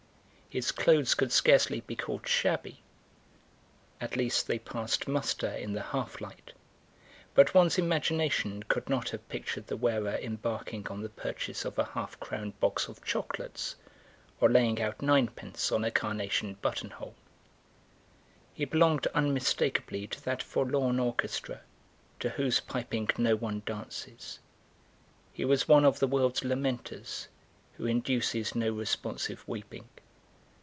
His clothes could scarcely be called shabby, at least they passed muster in the half light, but one's imagination could not have pictured the wearer embarking on the purchase of a half crown box of chocolates or laying out ninepence on a carnation buttonhole. He belonged unmistakably to that forlorn orchestra to whose piping no one dances; he was one of the world's lamenters who induce no responsive weeping.